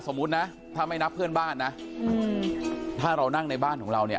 สมมุตินะถ้าไม่นับเพื่อนบ้านนะถ้าเรานั่งในบ้านของเราเนี่ย